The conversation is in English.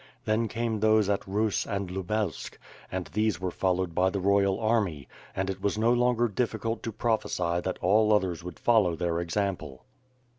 Then came those at Russ and Lubelsk, and these were followed by the royal army; and it was no longer difficult to prophecy that all others would follow their ex ample.